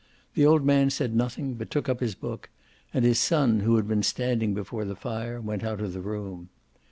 The old man said nothing, but took up his book, and his son, who had been standing before the fire, went out of the room.